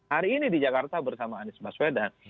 hari ini di jakarta bersama anies baswedan